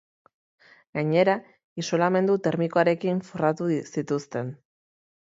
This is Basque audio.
Gainera, isolamendu termikoarekin forratu zituzten.